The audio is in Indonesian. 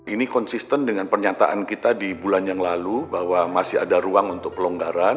ini konsisten dengan pernyataan kita di bulan yang lalu bahwa masih ada ruang untuk pelonggaran